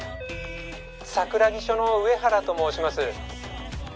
桜木署の上原と申します。